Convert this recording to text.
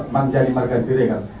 mang jali marga sirega